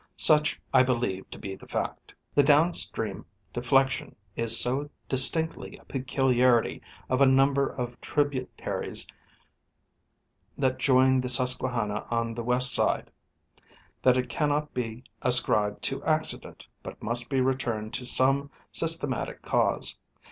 Such I believe to be the fact. The downstream deflection is so distinctly a peculiarity of a number of tributaries that join the Susquehanna on the west side (see figure 1) that it cannot be ascribed to accident, but must be referred to some systematic cause.